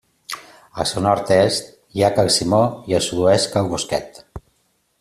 Al seu nord-est hi ha Cal Simó, i al sud-oest Cal Bosquet.